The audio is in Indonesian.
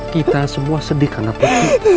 kita semua sedih karena peti